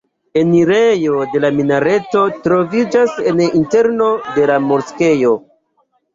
Enirejo de la minareto troviĝas en interno de la moskeo.